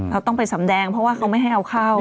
เราต้องไปสำแดงเพราะว่าเขาไม่ให้เอาเข้า